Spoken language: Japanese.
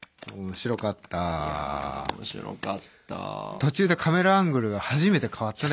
途中でカメラアングルが初めて変わったね